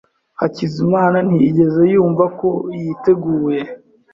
Hakizimana ntiyigeze yumva ko yiteguye.